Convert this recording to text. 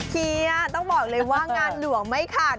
เฮียต้องบอกเลยว่างานหลวงไม่ขาด